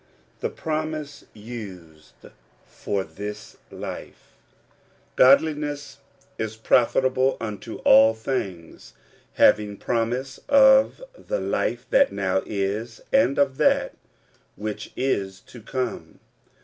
THE PROMISE USED FOR THIS LIFE, '^Godliness is profitable unto all thin^rs, having promise of the life that now is, and of that which is to come.